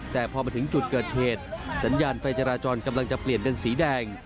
แต่พอมาถึงจุดเกิดเหตุสัญญาณไฟจราจรกำลังจะเปลี่ยนเป็นสีแดง